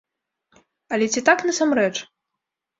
Але ці так насамрэч?